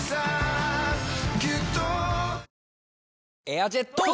エアジェットォ！